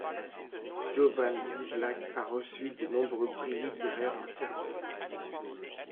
Jovan Zivlak a reçu de nombreux prix littéraires en Serbie.